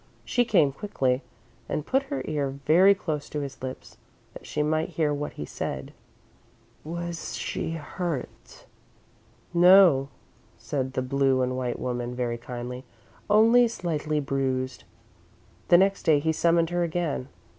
She came quickly, and put her ear very close to his lips that she might hear what he said. "Was she hurt?" "No," said the blue and white woman, very kindly. "Only slightly bruised." The next day he summoned her again.